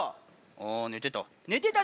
あぁ寝てた。